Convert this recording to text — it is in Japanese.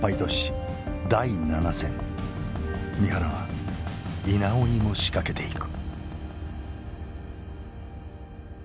三原は稲尾にも仕掛けていく。